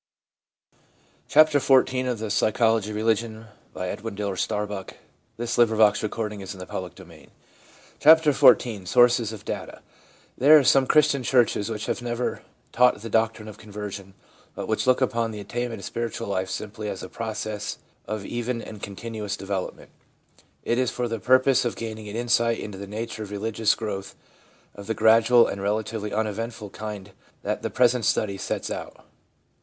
e chases everything but itself out of the field of consciousness. PART II LINES OF RELIGIOUS GROWTH NOT INVOLVING CONVERSION CHAPTER XIV SOURCES OF DATA THERE are some Christian churches which have never taught the doctrine of conversion, but which look upon the attainment of spiritual life simply as a process of even and continuous development. It is for the pur pose of gaining an insight into the nature of religious growth of the gradual and relatively uneventful kind that the present study sets out.